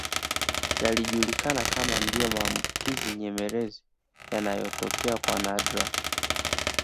Yalijulikana kama ndio maambukizi nyemelezi yanayotokea kwa nadra